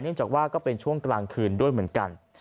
จากว่าก็เป็นช่วงกลางคืนด้วยเหมือนกัน